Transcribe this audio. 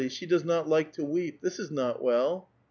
She does not like to weep. This is not well.